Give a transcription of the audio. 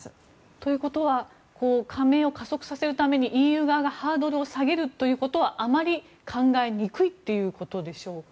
ということは加盟を加速させるためにＥＵ側がハードルを下げることはあまり考えにくいということでしょうか？